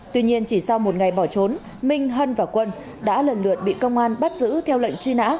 tuy nhiên chỉ sau một ngày bỏ trốn minh hân và quân đã lần lượt bị công an bắt giữ theo lệnh truy nã